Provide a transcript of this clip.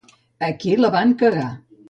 Aquí la van cagar.